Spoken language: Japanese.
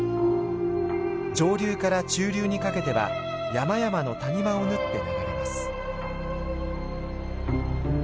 上流から中流にかけては山々の谷間を縫って流れます。